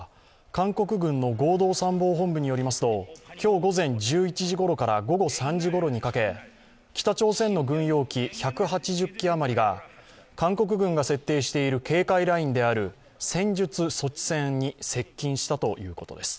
韓国軍の合同参謀本部によりますと今日午前１１時ごろから午後３時ごろにかけ、北朝鮮の軍用機１８０機あまりが韓国軍が設定している警戒ラインである戦術措置線に接近したということです。